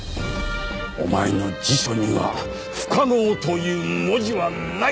お前の辞書には不可能という文字はない！